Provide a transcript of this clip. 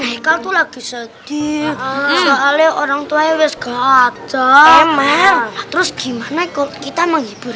heikal tuh lagi sedih oleh orang tua hewes kata emel terus gimana kok kita menghibur